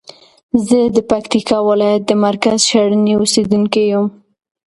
زه د پکتیکا ولایت د مرکز شرنی اوسیدونکی یم.